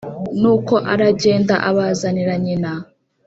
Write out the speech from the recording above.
Nuko aragenda abazanira nyina